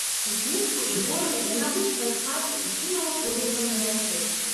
У смутку і горы яна выйшла з хаты і кінула позіркам на мястэчка.